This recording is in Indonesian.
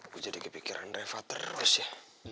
gue jadi kepikiran reva terus ya